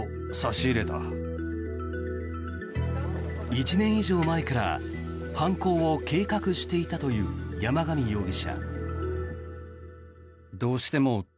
１年以上前から犯行を計画していたという山上容疑者。